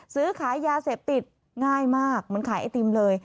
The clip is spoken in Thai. ซื้อขายยาเสพติดง่ายมากเหมือนขายไอติมเลย